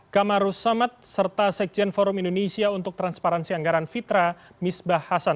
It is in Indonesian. kamaru samad serta sekjen forum indonesia untuk transparansi anggaran fitra misbah hasan